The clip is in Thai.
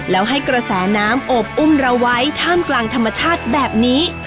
แล้วให้กระแสน้ำโอบอุ้มเราไว้ท่ามกลางธรรมชาติแบบนี้